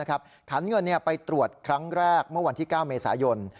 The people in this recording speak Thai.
ขันเงินไปตรวจครั้งแรกเมื่อวันที่๙เมษายน